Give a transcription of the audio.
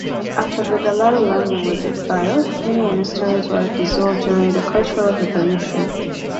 After the Dalai Lama was exiled, many monasteries were dissolved during the Cultural Revolution.